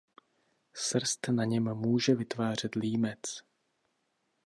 Srst na něm může vytvářet límec.